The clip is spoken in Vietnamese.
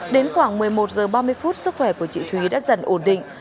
đến khoảng một mươi một h ba mươi phút sức khỏe của chị thúy đã dần ổn định